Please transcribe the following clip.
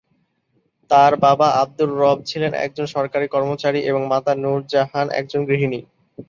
তার বাবা আব্দুর রব ছিলেন একজন সরকারি কর্মচারী এবং মাতা নূরজাহান একজন গৃহিণী।